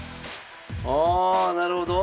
あなるほど？